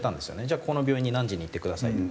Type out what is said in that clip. じゃあこの病院に何時に行ってくださいと。